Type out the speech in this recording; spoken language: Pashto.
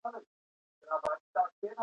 ښېګڼه څه ده؟